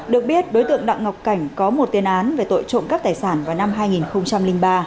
được biết đối tượng đặng ngọc cảnh có một tiên án về tội trộm cắp tài sản vào năm hai nghìn ba